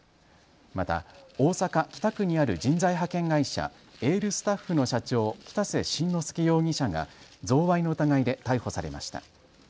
また、大阪北区にある人材派遣会社、エールスタッフの社長、北瀬真之容疑者が贈賄の疑いで逮捕されました。